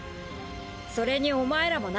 それにお前らもな。